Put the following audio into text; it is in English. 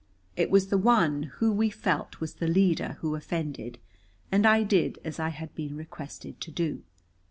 It was the one who we felt was the leader who offended, and I did as I had been requested to.